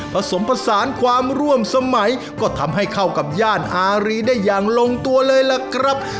ผสมผสานความร่วมสมัยก็ทำให้เข้ากับย่านอารีได้อย่างลงตัวเลยล่ะครับ